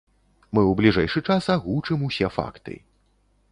Мы ў бліжэйшы час агучым ўсе факты.